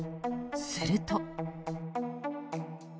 すると。